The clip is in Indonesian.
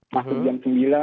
masuk jam sembilan